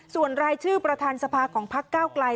ส่วนรายชื่อประธานสภาของพักเก้าไกล